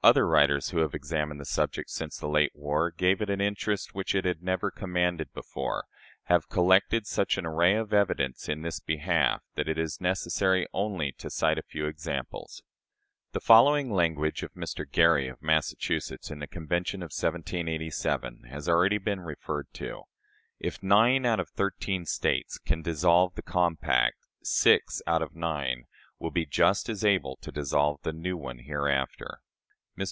Other writers, who have examined the subject since the late war gave it an interest which it had never commanded before, have collected such an array of evidence in this behalf that it is necessary only to cite a few examples. The following language of Mr. Gerry, of Massachusetts, in the Convention of 1787, has already been referred to: "If nine out of thirteen States can dissolve the compact, six out of nine will be just as able to dissolve the new one hereafter." Mr.